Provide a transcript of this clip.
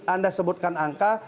anda sebutkan angka